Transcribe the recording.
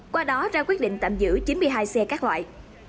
qua đó ra quyết định tạm giữ chín mươi hai xe các loại